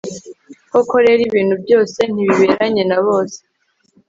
koko rero ibintu byose ntibiberanye na bose